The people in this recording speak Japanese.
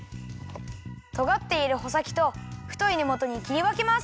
とがっているほさきとふといねもとにきりわけます。